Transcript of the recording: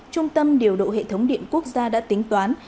trung tâm điều độ hệ thống điện quốc gia đã tính toán